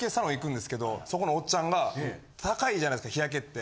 そこのおっちゃんが高いじゃないですか日焼けって。